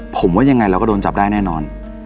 ผมว่ายังไงเราก็โดนจับได้แน่นอน